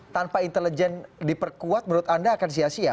tanpa intelijen diperkuat menurut anda akan sia sia